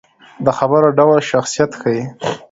د خبرو ډول شخصیت ښيي